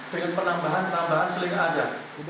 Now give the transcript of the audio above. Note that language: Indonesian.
dengan penambahan penambahan seling yang ada